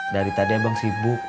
dari tadi abang sibuk